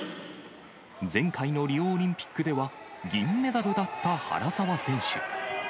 前回のリオオリンピックでは銀メダルだった原沢選手。